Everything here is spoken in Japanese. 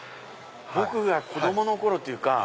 僕が子供の頃というか。